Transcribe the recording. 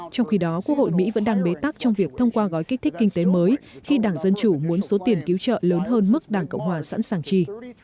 trong khi đó quốc hội mỹ vẫn đang bế tắc trong việc thông qua gói kích thích kinh tế mới khi đảng dân chủ muốn số tiền cứu trợ lớn hơn mức đảng cộng hòa sẵn sàng trì